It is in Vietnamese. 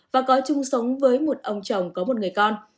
và có chung sống với một ông chồng có một người con